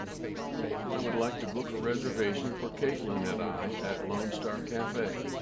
I would like to book a reservation for kaitlin and I at Lone Star Cafe